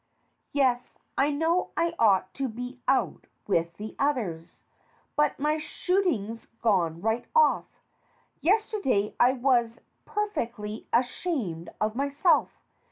Yes, I know I ought to be out with the others. But my shooting's gone right off. Yesterday I was per fectly ashamed of myself.